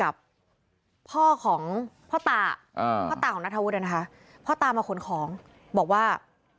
บอกว่า